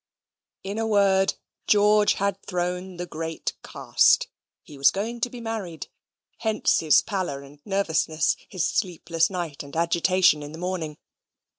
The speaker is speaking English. In a word, George had thrown the great cast. He was going to be married. Hence his pallor and nervousness his sleepless night and agitation in the morning.